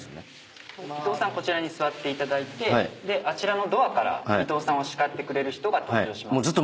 こちらに座っていただいてあちらのドアから伊藤さんを叱ってくれる人が登場します。